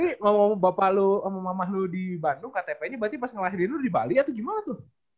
ini ngomong bapak lu sama mama lu di bandung ktp ini berarti pas ngelahirin lu di bali atau gimana tuh